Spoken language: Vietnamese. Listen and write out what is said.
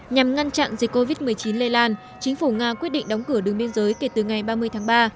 nhằm ngăn chặn dịch covid một mươi chín lây lan chính phủ nga quyết định đóng cửa đường biên giới kể từ ngày ba mươi tháng ba